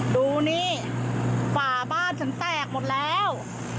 ดูนี่ฝาบ้านฉันแตกหมดแล้ว